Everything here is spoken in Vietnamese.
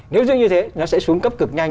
nếu như thế nó sẽ xuống cấp cực nhanh